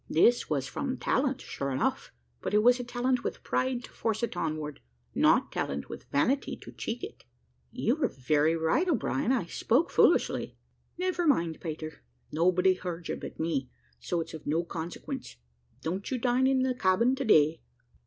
This was from talent, sure enough: but it was talent with pride to force it onward, not talent with vanity to cheek it." "You are very right, O'Brien; I spoke foolishly." "Never mind, Peter, nobody heard you but me, so it's of no consequence. Don't you dine in the cabin to day?"